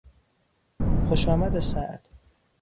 خوشامد سرد